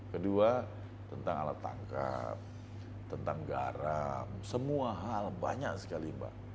kedua tentang alat tangkap tentang garam semua hal banyak sekali mbak